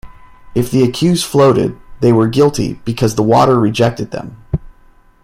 If the accused floated they were guilty because the water rejected them.